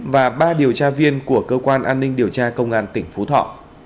và ba điều tra viên của cơ quan an ninh điều tra công an tỉnh phú thọ